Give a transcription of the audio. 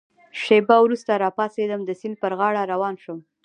شېبه وروسته را پاڅېدم، د سیند پر غاړه روان شوم.